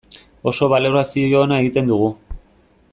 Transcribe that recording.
Oso balorazio ona egiten dugu.